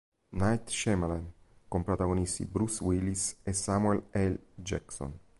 Night Shyamalan con protagonisti Bruce Willis e Samuel L. Jackson.